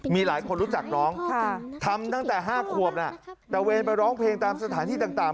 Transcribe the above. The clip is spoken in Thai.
มีหลายคนรู้จักน้องทำตั้งแต่๕ขวบนะตะเวนไปร้องเพลงตามสถานที่ต่าง